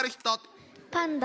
パンダ。